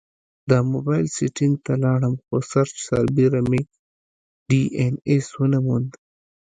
د مبایل سیټینګ ته لاړم، خو سرچ سربیره مې ډي این ایس ونه موند